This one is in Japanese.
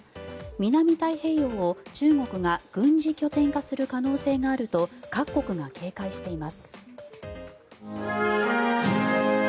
南太平洋を中国が軍事拠点化する可能性があると各国が警戒しています。